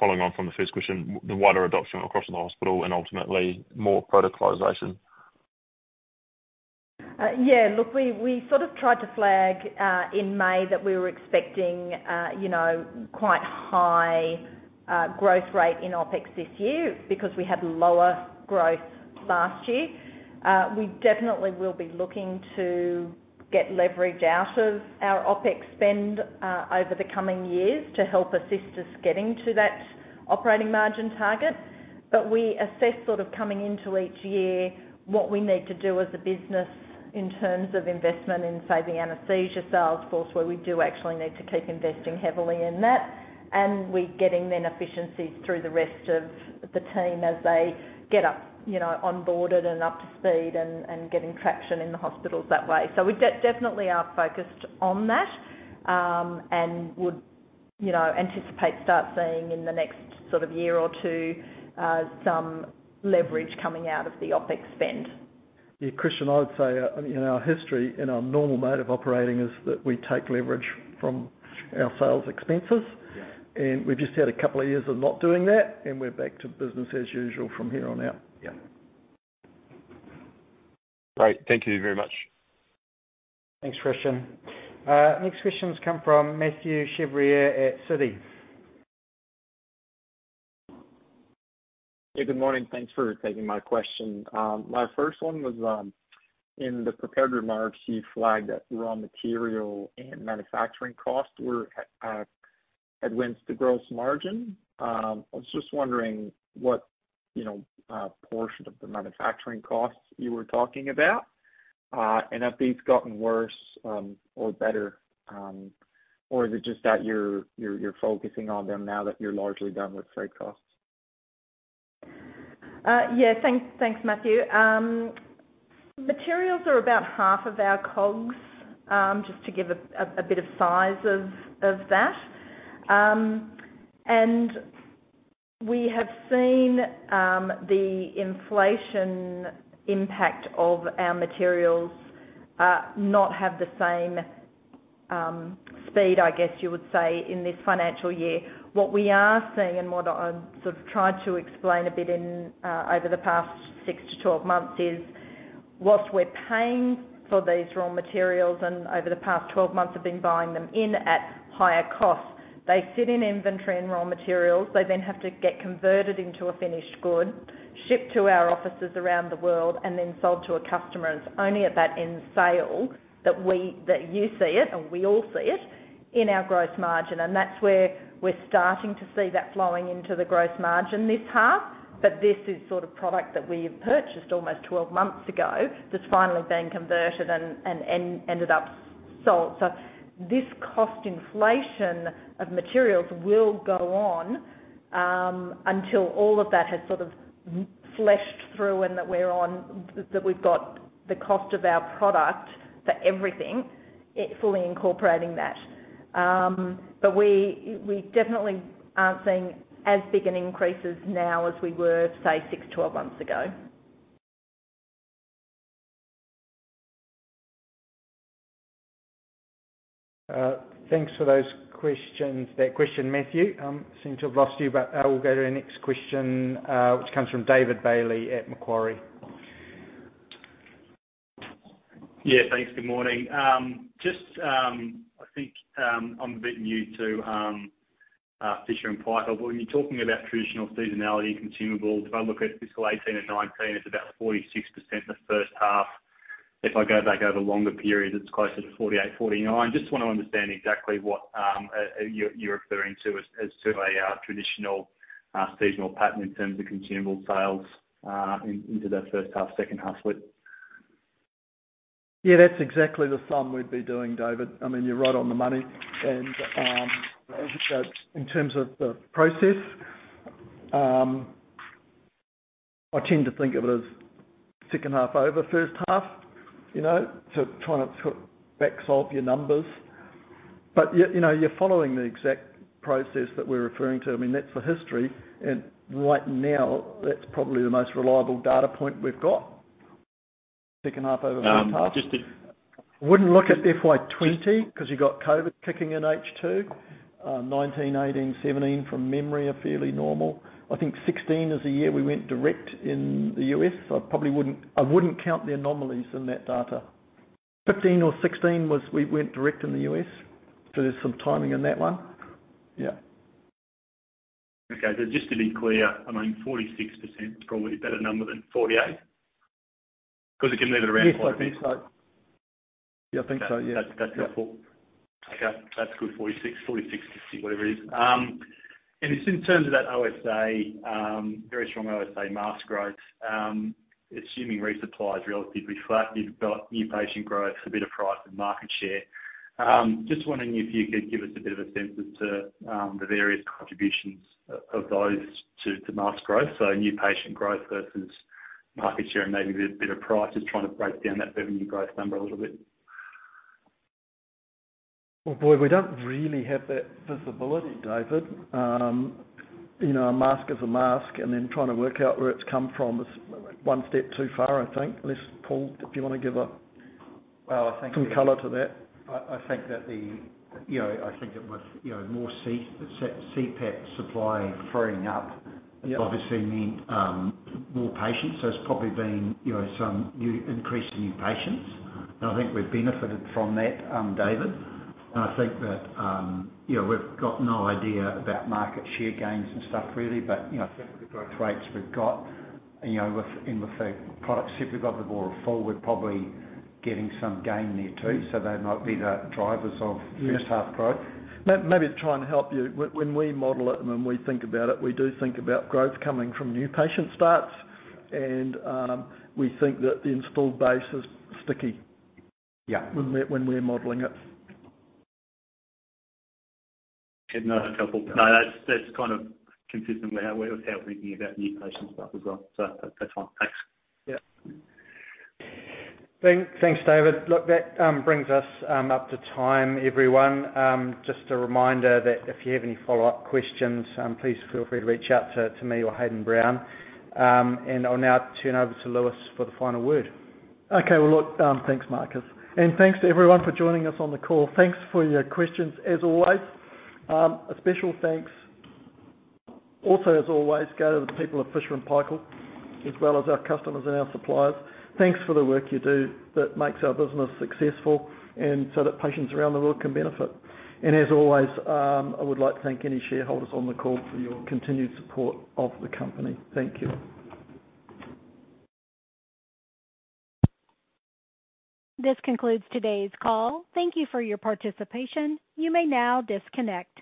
following on from the first question, the wider adoption across the hospital and ultimately more protocolization? Yeah, look, we, we sort of tried to flag in May that we were expecting, you know, quite high growth rate in OpEx this year because we had lower growth last year. We definitely will be looking to get leverage out of our OpEx spend over the coming years to help assist us getting to that operating margin target. But we assess, sort of coming into each year, what we need to do as a business in terms of investment in, say, the anesthesia sales force, where we do actually need to keep investing heavily in that. And we're getting then efficiencies through the rest of the team as they get up, you know, onboarded and up to speed and getting traction in the hospitals that way. So we definitely are focused on that, and would, you know, anticipate to start seeing in the next sort of year or two, some leverage coming out of the OpEx spend. Yeah, Christian, I would say, in our history, in our normal mode of operating, is that we take leverage from our sales expenses. Yeah. We've just had a couple of years of not doing that, and we're back to business as usual from here on out. Yeah. Great. Thank you very much. Thanks, Christian. Next questions come from Mathieu Chevrier at Citi.... Hey, good morning. Thanks for taking my question. My first one was, in the prepared remarks, you flagged that raw material and manufacturing costs were at the expense of the gross margin. I was just wondering what, you know, portion of the manufacturing costs you were talking about, and have these gotten worse, or better, or is it just that you're focusing on them now that you're largely done with freight costs? Yeah, thanks, thanks, Mathieu. Materials are about half of our COGS, just to give a bit of size of that. And we have seen the inflation impact of our materials not have the same speed, I guess you would say, in this financial year. What we are seeing, and what I've sort of tried to explain a bit in over the past 6-12 months is, whilst we're paying for these raw materials, and over the past 12 months have been buying them in at higher costs, they sit in inventory and raw materials. They then have to get converted into a finished good, shipped to our offices around the world, and then sold to a customer. It's only at that end sale that we- that you see it, and we all see it, in our gross margin. That's where we're starting to see that flowing into the gross margin this half. This is sort of product that we have purchased almost 12 months ago, that's finally been converted and ended up sold. This cost inflation of materials will go on until all of that has sort of flushed through and that we're on... that we've got the cost of our product for everything, it fully incorporating that. But we definitely aren't seeing as big an increases now as we were, say, 6-12 months ago. Thanks for those questions, that question, Mathieu Seem to have lost you, but we'll go to our next question, which comes from David Bailey at Macquarie. Yeah, thanks. Good morning. Just, I think, I'm a bit new to Fisher & Paykel, but when you're talking about traditional seasonality and consumables, if I look at fiscal 2018 and 2019, it's about 46% the first half. If I go back over longer periods, it's closer to 48, 49. Just want to understand exactly what you're referring to as to a traditional seasonal pattern in terms of consumable sales into the first half, second half split. Yeah, that's exactly the sum we'd be doing, David. I mean, you're right on the money. And, in terms of the process, I tend to think of it as second half over first half, you know, to try to back solve your numbers. But yet, you know, you're following the exact process that we're referring to. I mean, that's the history, and right now, that's probably the most reliable data point we've got. Second half over first half. just to- Wouldn't look at FY 2020 'cause you got COVID kicking in H2. 2019, 2018, 2017, from memory, are fairly normal. I think 2016 is the year we went direct in the U.S., so I probably wouldn't, I wouldn't count the anomalies in that data. 2015 or 2016 was we went direct in the U.S., so there's some timing in that one. Yeah. Okay. So just to be clear, I mean, 46% is probably a better number than 48%? 'Cause it can move around- Yes, I think so. Yeah, I think so, yeah. That's, that's helpful. Okay, that's good. 46, 46, whatever it is. Just in terms of that OSA, very strong OSA mask growth, assuming resupply is relatively flat, you've got new patient growth, a bit of price, and market share. Just wondering if you could give us a bit of a sense as to the various contributions of those to mask growth. So new patient growth versus market share, and maybe a bit of price, just trying to break down that revenue growth number a little bit. Well, boy, we don't really have that visibility, David. You know, a mask is a mask, and then trying to work out where it's come from is one step too far, I think. Unless, Paul, if you want to give a- Well, I think- some color to that. I think that the, you know, I think it was, you know, more CPAP supply freeing up- Yeah... obviously need more patients. So it's probably been, you know, some new increase in new patients, and I think we've benefited from that, David. And I think that, you know, we've got no idea about market share gains and stuff really, but, you know, I think the growth rates we've got, you know, with, and with the products, if we've got the more full, we're probably getting some gain there, too. So they might be the drivers of- Yes First half growth. Maybe to try and help you, when we model it and when we think about it, we do think about growth coming from new patient starts. And we think that the installed base is sticky- Yeah... when we're modeling it. Should know a couple. No, that's, that's kind of consistent with how we're, how we're thinking about new patient stuff as well. So that's fine. Thanks. Yeah. Thanks, David. Look, that brings us up to time, everyone. Just a reminder that if you have any follow-up questions, please feel free to reach out to me or Hayden Brown. And I'll now turn over to Lewis for the final word. Okay, well, look, thanks, Marcus, and thanks to everyone for joining us on the call. Thanks for your questions, as always. A special thanks also, as always, go to the people of Fisher & Paykel, as well as our customers and our suppliers. Thanks for the work you do that makes our business successful and so that patients around the world can benefit. And as always, I would like to thank any shareholders on the call for your continued support of the company. Thank you. This concludes today's call. Thank you for your participation. You may now disconnect.